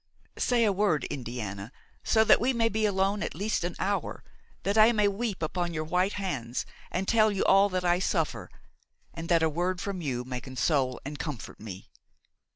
"Say a word, Indiana, so that we may be alone at least an hour, that I may weep upon your white hands and tell you all that I suffer, and that a word from you may console and comfort me.